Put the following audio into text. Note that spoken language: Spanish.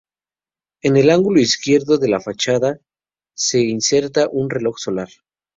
En el ángulo izquierdo de la fachada se inserta un reloj solar.